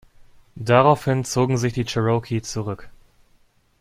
Daraufhin zogen sich die Cherokee zurück.